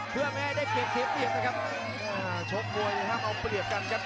ภัทรจริงครับ